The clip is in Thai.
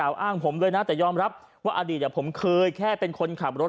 อ้างผมนะแต่ยอมรับว่าอดิษฐ์อย่างผมเคยแค่เป็นคนขับรถ